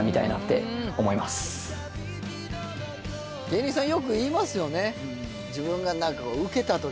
芸人さんよく言いますよね